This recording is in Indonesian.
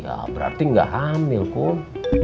ya berarti nggak hamil pun